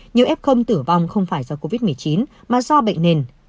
nhiều f tử vong không phải do covid một mươi chín mà do bệnh nền